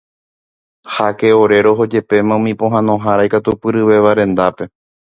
Háke ore rohojepéma umi pohãnohára ikatupyryvéva rendápe.